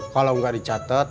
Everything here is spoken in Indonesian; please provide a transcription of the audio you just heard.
kalau nggak dicatat